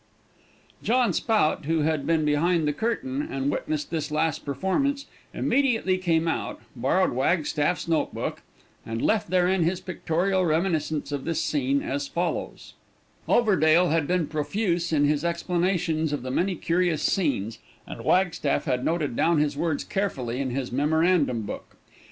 John Spout, who had been behind the curtain, and witnessed this last performance, immediately came out, borrowed Wagstaff's notebook, and left therein his pictorial reminiscence of this scene as follows: Overdale had been profuse in his explanations of the many curious scenes, and Wagstaff had noted down his words carefully in his memorandum book.